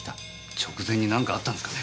直前になんかあったんですかね？